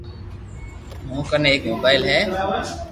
مون ڪني ايڪ موبائل ھي